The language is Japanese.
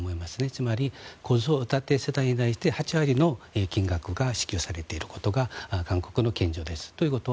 つまり、子育て世帯に対して８割の金額が支給されていることが韓国の現状です。